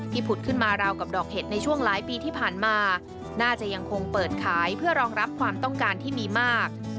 ผุดขึ้นมาราวกับดอกเห็ดในช่วงหลายปีที่ผ่านมาน่าจะยังคงเปิดขายเพื่อรองรับความต้องการที่มีมาก